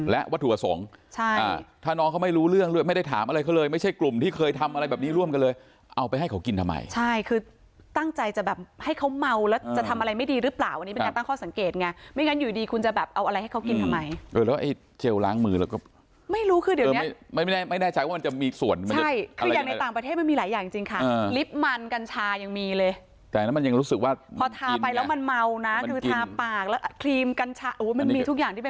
แล้วถูกกฎหมายถูกกฎหมายถูกกฎหมายและถูกกฎหมายถูกกฎหมายถูกกฎหมายถูกกฎหมายถูกกฎหมายถูกกฎหมายถูกกฎหมายถูกกฎหมายถูกกฎหมายถูกกฎหมายถูกกฎหมายถูกกฎหมายถูกกฎหมายถูกกฎหมายถูกกฎหมายถูกกฎหมายถูกกฎหมายถูกกฎหมายถูกกฎหมายถูกกฎหมายถูกกฎหมายถูกกฎหมายถูกกฎหมายถูกกฎหมาย